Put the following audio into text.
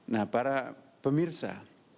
nah para pemirsa